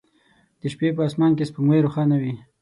د شپې په اسمان کې سپوږمۍ روښانه وي